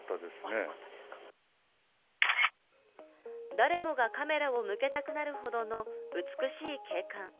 誰もがカメラを向けたくなるほどの美しい景観。